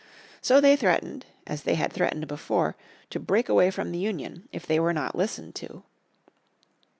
So they threatened, as they had threatened before, to break away from the Union if they were not listened to.